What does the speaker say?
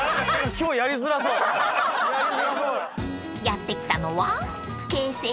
［やって来たのは］